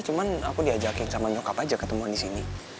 cuman aku diajakin sama nyokap aja ketemuan disini